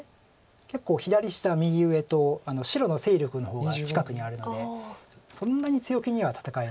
結構左下右上と白の勢力の方が近くにあるのでそんなに強気には戦えないと。